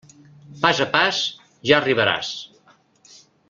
Pas a pas, ja arribaràs.